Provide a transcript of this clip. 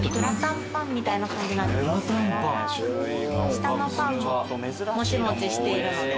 下のパンももちもちしているので。